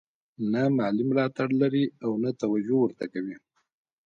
نه مالي ملاتړ لري او نه توجه ورته کوي.